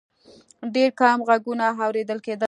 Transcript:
ډېر کم غږونه اورېدل کېدل.